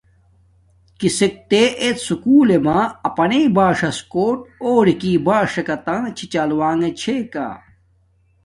کسک تے ایت سوکولݵ ما اپنݵ باݽݽ کوٹ اور راکا باݽنݣ چھی چال ونݣ چھے کا